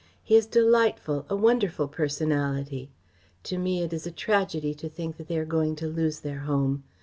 He is delightful a wonderful personality. To me it is a tragedy to think that they are going to lose their home.